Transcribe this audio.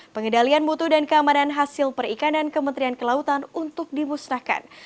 pengendalian mutu dan keamanan hasil perikanan kementerian kelautan untuk dimusnahkan